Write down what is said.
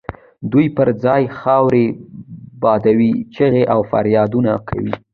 دوی پر ځان خاورې بادوي، چیغې او فریادونه کوي.